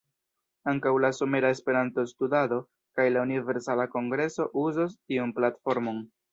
Ankaŭ la Somera Esperanto-Studado kaj la Universala Kongreso uzos tiun platformon.